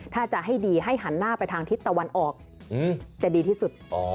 ถ้าจะให้ดีให้หันหน้าไปทางทิศตะวันออกจะดีที่สุด